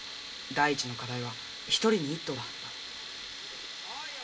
第１の課題は１人に１頭だ・来いよ